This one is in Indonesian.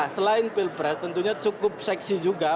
selain pilpres tentunya cukup seksi juga